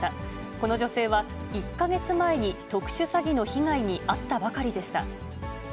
この女性は１か月前に特殊詐欺の被害に遭ったばかりでした。